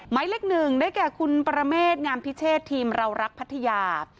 หมายเลขหนึ่งได้แก่คุณประเมษงามพิเชษทีมเรารักพัทยา